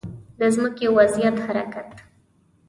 د ځمکې وضعي حرکت